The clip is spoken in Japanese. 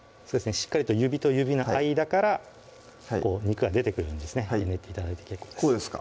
しっかりと指と指の間から肉が出てくるようにですね練って頂いて結構ですこうですか？